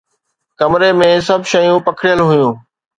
ڪمري ۾ سڀ شيون پکڙيل هيون